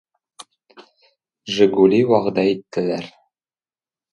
Жигули вәгъдә иттеләр.